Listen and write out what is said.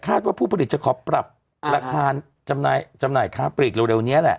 ว่าผู้ผลิตจะขอปรับราคาจำหน่ายค้าปลีกเร็วนี้แหละ